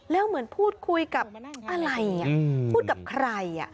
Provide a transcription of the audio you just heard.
แล้วเหมือนพูดคุยกับอะไรพูดกับใคร